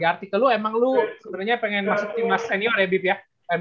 di artikel lu emang lu sebenernya pengen masuk tim senior ya bip ya